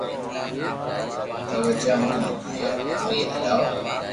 تو جا ھون ھاپو آوي جاو